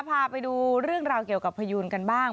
พาไปดูเรื่องราวเกี่ยวกับพยูนกันบ้าง